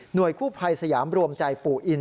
กู้ภัยสยามรวมใจปู่อิน